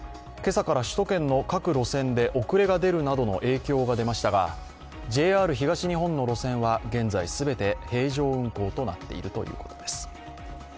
今朝から首都圏の各路線で遅れが出るなどの影響が出ましたがＪＲ東日本の路線は現在、すべて平常運行となっているということです。